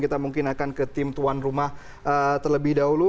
kita mungkin akan ke tim tuan rumah terlebih dahulu